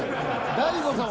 大悟さん